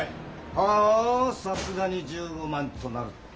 おさすがに１５万となると。